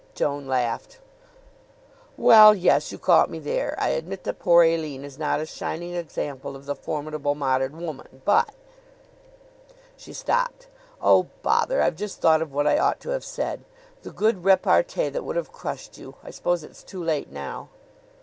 Joan laughed. "Well, yes; you caught me there. I admit that poor Aline is not a shining example of the formidable modern woman; but " She stopped. "Oh, bother! I've just thought of what I ought to have said the good repartee that would have crushed you. I suppose it's too late now?"